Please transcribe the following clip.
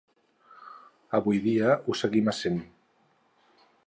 Avui dia ho segueix essent.